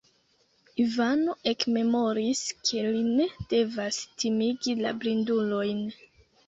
Ivano ekmemoris, ke li ne devas timigi la blindulojn.